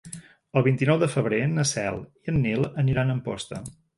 El vint-i-nou de febrer na Cel i en Nil aniran a Amposta.